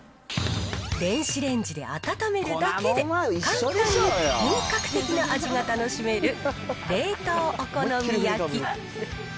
電子レンジで温めるだけで、簡単に本格的な味が楽しめる、冷凍お好み焼き。